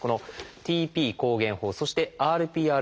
「ＴＰ抗原法」そして「ＲＰＲ法」です。